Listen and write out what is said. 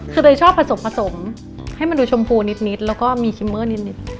คือเตยชอบผสมผสมให้มันดูชมพูนิดแล้วก็มีคิมเมอร์นิด